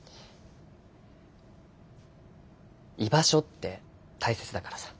居場所って大切だからさ。